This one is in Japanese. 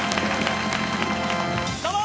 どうも！